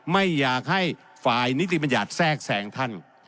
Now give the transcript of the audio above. ไม่อยากให้ฝ่ายนิติบัญญัติแทรกแสงท่าน